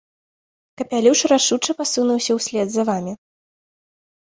Капялюш рашуча пасунуўся ўслед за вамі.